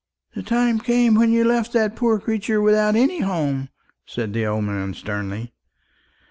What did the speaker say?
"The time came when you left that poor creature without any home," said the old man sternly.